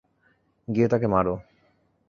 গিয়ে তাকে মারো।